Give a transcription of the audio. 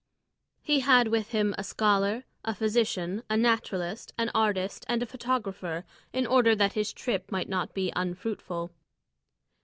He had with him a scholar, a physician, a naturalist, an artist, and a photographer, in order that his trip might not be unfruitful.